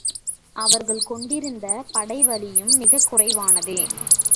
அவர்கள் கொண்டிருந்த படைவலியும் மிகக் குறைவானதே.